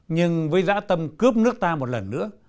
nhưng với dã tâm cướp nước ta một lần nữa